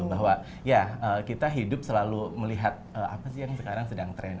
bahwa ya kita hidup selalu melihat apa sih yang sekarang sedang tren